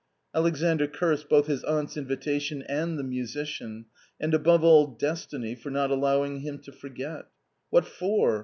"' Alexandrcursed both his aunt's invitation and the musician, and above all destiny for not allowing him to forget " What for